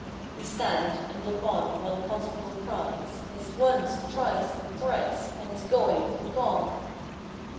We stand and look on while the constable cries His "Once!" "Twice" and "Thrice!" and his "Going!" and "Gone!"